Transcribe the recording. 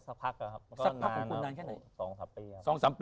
๒๓ปีมาเจอกับแฟนคนนี้เนี่ย